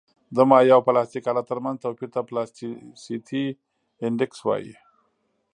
د مایع او پلاستیک حالت ترمنځ توپیر ته پلاستیسیتي انډیکس وایي